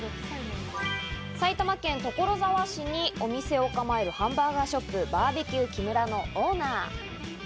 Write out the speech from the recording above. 埼玉県所沢市にお店を構えるハンバーガーショップ、Ｂ．Ｂ．ＱＫＩＭＵＲＡのオーナー。